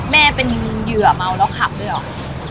แม่เป็นเหยื่อเมาแล้วขับด้วยเหรอ